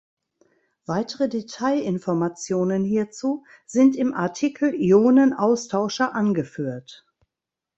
Weitere Detailinformationen hierzu sind im Artikel Ionenaustauscher angeführt.